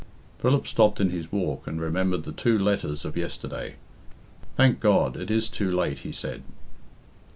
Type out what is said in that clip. Philip stopped in his walk and remembered the two letters of yesterday. "Thank God! it is too late," he said.